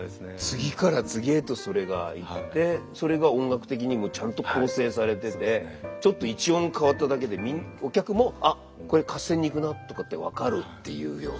次から次へとそれがいってそれが音楽的にもちゃんと構成されててちょっと一音変わっただけでお客も「あっこれ合戦に行くな」とかって分かるっていうような。